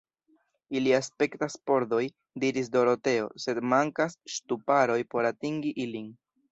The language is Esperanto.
Ili aspektas pordoj, diris Doroteo; sed mankas ŝtuparoj por atingi ilin.